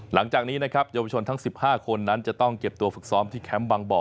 หลังจากนี้นะครับเยาวชนทั้ง๑๕คนนั้นจะต้องเก็บตัวฝึกซ้อมที่แคมป์บางบ่อ